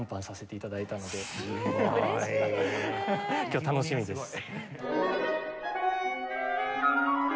今日は楽しみです。